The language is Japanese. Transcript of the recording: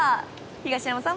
東山さん！